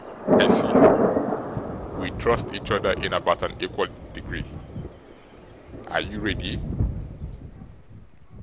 I see. We trust each other in about an equal degree. Are you ready?